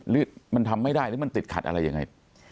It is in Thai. หรือมันทำไม่ได้หรือมันติดขัดอะไรยังไง